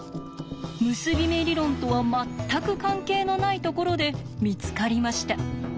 結び目理論とは全く関係のないところで見つかりました。